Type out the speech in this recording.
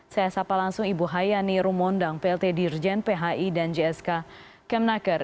saya sapa langsung ibu hayani rumondang plt dirjen phi dan jsk kemnaker